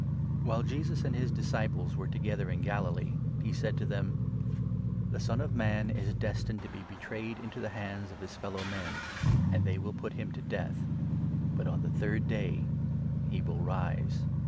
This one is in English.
While Jesus and his disciples were together in 22 a eecond^«me, Galilee' he said to th.em : foretells '' The Son of Man is destined to be betrayed into his Death. ftiQ hands of his fellow men, and they will put 23 him to death, but on the third day he will rise."